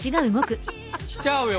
きちゃうよ